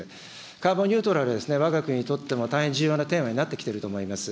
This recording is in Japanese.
カーボンニュートラルですね、わが国にとっても大変重要なテーマになってきてると思います。